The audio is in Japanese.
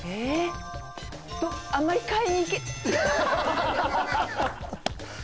あんまり買いに行け。